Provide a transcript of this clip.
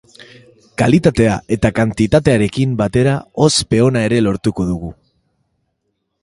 Kalitatea eta kantitatearekin batera ospe ona ere lortuko dugu.